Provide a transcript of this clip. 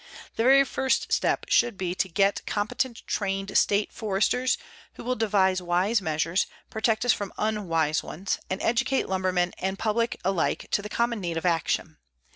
The very first step should be to get competent trained state foresters who will devise wise measures, protect us from unwise ones, and educate lumbermen and public alike to the common need of action.